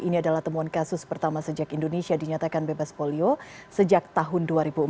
ini adalah temuan kasus pertama sejak indonesia dinyatakan bebas polio sejak tahun dua ribu empat